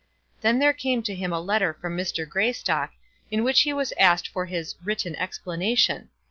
Then there came to him a letter from Mr. Greystock, in which he was asked for his "written explanation."